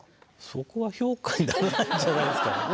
そこは評価にならないんじゃないですかね。